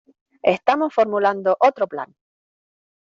¡ Estamos formulando otro plan!